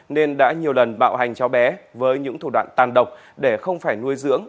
nên đã nhiều lần bạo hành cháu bé với những thủ đoạn tàn độc để không phải nuôi dưỡng